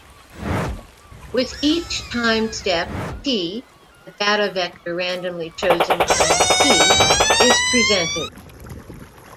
With each time step "t" a data vector randomly chosen from "P" is presented.